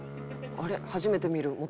「あれ？